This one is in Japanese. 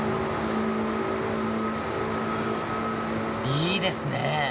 いいですね。